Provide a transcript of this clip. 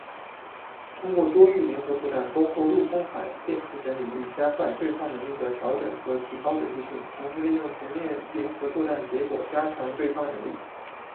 通过多域联合作战，包括陆、空、海、电磁等领域，加快对抗能力的调整和提高准确性，同时利用全面联合作战的结果，加强对抗能力。